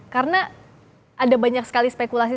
karena ada banyak sekali spekulasi